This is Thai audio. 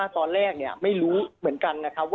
ตอนนี้ยังไม่ได้นะครับ